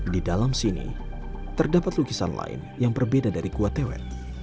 di dalam sini terdapat lukisan lain yang berbeda dari gua tewet